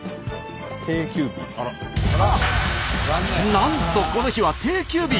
なんとこの日は定休日！